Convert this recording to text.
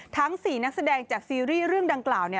ทั้ง๔นักแสดงจากซีรีส์เรื่องดังกล่าว